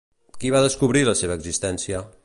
Qui va descobrir la seva existència?